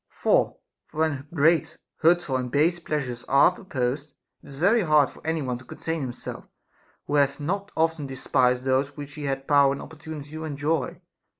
For when great, hurtful, and base pleasures are proposed, it is very hard for any one to contain himself, who hath not often despised those which he had power and opportunity to enjoy.